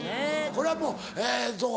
これはもうどう？